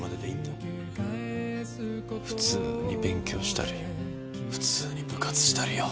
普通に勉強したり普通に部活したりよ。